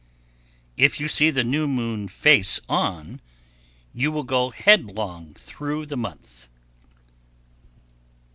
1107. If you see the new moon face on, you will go headlong through the month.